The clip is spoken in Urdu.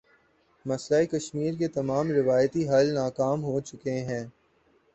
مسئلہ کشمیر کے تمام روایتی حل ناکام ہو چکے ہیں۔